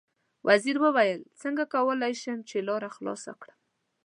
وزیر وویل: څنګه کولای شم چې لاره خلاصه کړم.